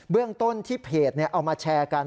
เรื่องต้นที่เพจเอามาแชร์กัน